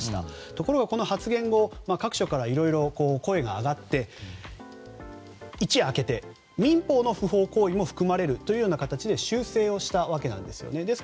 ところがこの発言後、各所からいろいろ声が上がって一夜明けて民法の不法行為も含まれるという形で修正をしたわけなんです。